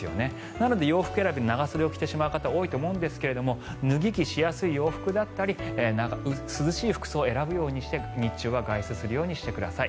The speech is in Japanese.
なので洋服選び長袖を着てしまう方が多いと思いますが脱ぎ着しやすい洋服だったり涼しい服装を選ぶようにして日中は外出するようにしてください。